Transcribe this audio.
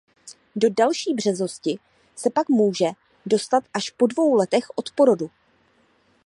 Do další březosti se pak může dostat až po dvou letech od porodu.